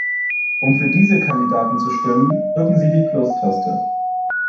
Um für den Kandidaten zu stimmen, drücken Sie die "+"Taste.